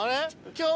今日。